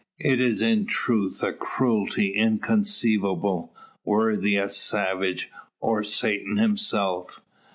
It is in truth a cruelty inconceivable, worthy a savage, or Satan himself.